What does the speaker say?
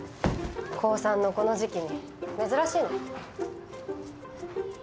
高３のこの時期に珍しいね。